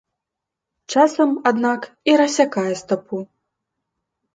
Часам, аднак, і рассякае стапу.